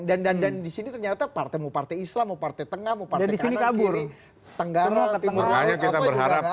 dan disini ternyata partai mau partai islam mau partai tengah mau partai kanan gini tenggara timur